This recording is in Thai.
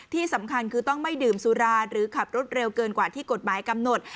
ที่สำคัญคือต้องไม่ดื่มสุราหรือขับรถเร็วเกินกว่าที่กฎหมายกำหนด